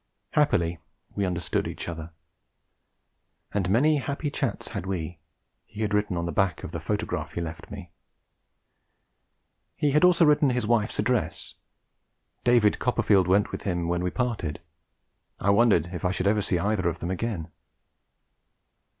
Happily we understood each other. 'And many happy chats had we,' he had written on the back of the photograph he left me. He had also written his wife's address. David Copperfield went with him when we parted. I wondered if I should ever see either of them again.